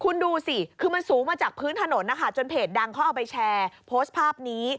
คุณดูสิคือมันสูงมาจากพื้นถนนนะคะจนเพจดังเขาเอาไปแชร์โพสต์ภาพนี้